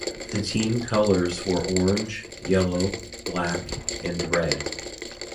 The team colors were orange, yellow, black and red.